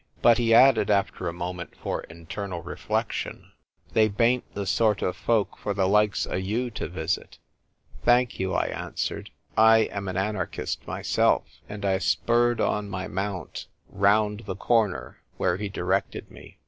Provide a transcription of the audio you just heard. But he added, after a moment for internal reflection, " They bain't the sort o' folk for the likes o' you to visit." "Thank you," I answered, "I am an anarchist myself" And I spurred on my mount, round the corner where he directed me.